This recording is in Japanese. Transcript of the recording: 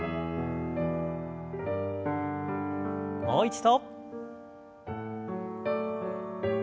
もう一度。